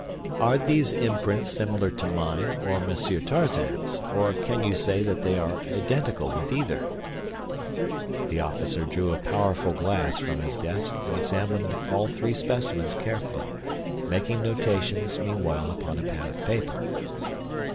"Are these imprints similar to mine or Monsieur Tarzan's or can you say that they are identical with either?" The officer drew a powerful glass from his desk and examined all three specimens carefully, making notations meanwhile upon a pad of paper.